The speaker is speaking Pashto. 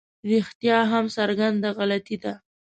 رښتیا هم څرګنده غلطي ده.